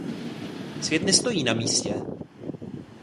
Svět nestojí na místě!